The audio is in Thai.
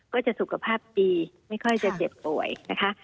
ก็จะสุขภาพดีไม่ค่อยจะเจ็บป่วยนะคะ